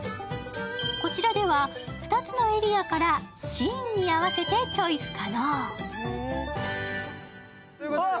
こちらでは２つのエリアからシーンに合わせてちょい可能。